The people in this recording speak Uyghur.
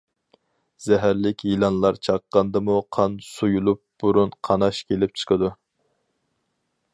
زەھەرلىك يىلانلار چاققاندىمۇ قان سۇيۇلۇپ بۇرۇن قاناش كېلىپ چىقىدۇ.